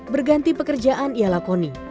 berganti pekerjaan ialah connie